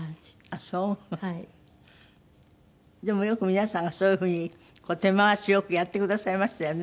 でもよく皆さんがそういう風に手回し良くやってくださいましたよね。